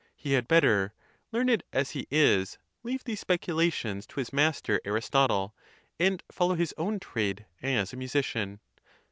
He had better, learned as he is, leave these speculations to his master Aristotle, and follow his own trade as a musician.